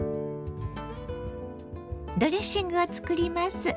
ドレッシングを作ります。